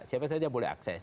siapa saja boleh akses